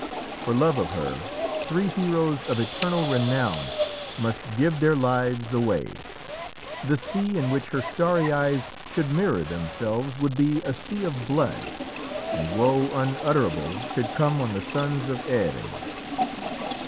For love of her, three heroes of eternal renown must give their lives away, the sea in which her starry eyes should mirror themselves would be a sea of blood, and woe unutterable should come on the sons of Erin.